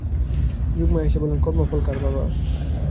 যোগমায়া হেসে বললেন, কর্মফল কার বাবা।